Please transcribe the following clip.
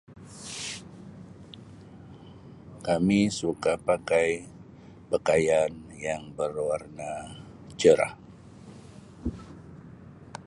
Kami suka pakai pakaian yang berwarna cerah.